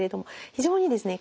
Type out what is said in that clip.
非常にですね